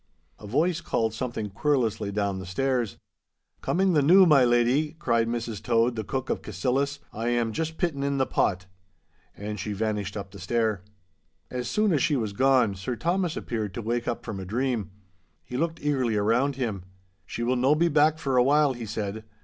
A voice called something querulously down the stairs. 'Coming the noo, my leddy,' cried Mrs Tode, the cook of Cassillis, 'I am juist pittin' on the pot—' And she vanished up the stair. As soon as she was gone, Sir Thomas appeared to wake up from a dream. He looked eagerly around him. 'She will no be back for a while,' he said.